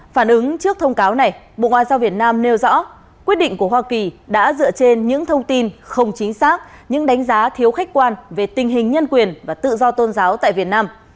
phản ứng trước thông cáo này bộ ngoại giao việt nam nêu rõ quyết định của hoa kỳ đã dựa trên những thông tin không chính xác những đánh giá thiếu khách quan về tình hình nhân quyền và tự do tôn giáo tại việt nam